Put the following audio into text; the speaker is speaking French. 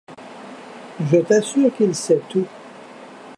Je t'assure qu'il sait tout.